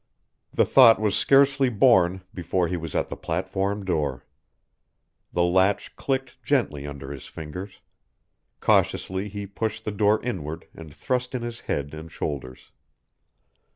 The thought was scarcely born before he was at the platform door. The latch clicked gently under his fingers; cautiously he pushed the door inward and thrust in his head and shoulders.